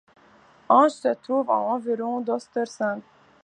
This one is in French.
Änge se trouve à environ d'Östersund.